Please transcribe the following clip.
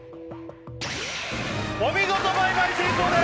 お見事倍買成功です